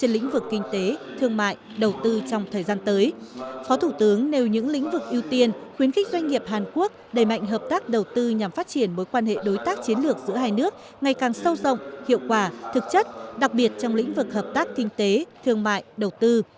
lĩnh vực ưu tiên khuyến khích doanh nghiệp hàn quốc đầy mạnh hợp tác đầu tư nhằm phát triển mối quan hệ đối tác chiến lược giữa hai nước ngày càng sâu rộng hiệu quả thực chất đặc biệt trong lĩnh vực hợp tác kinh tế thương mại đầu tư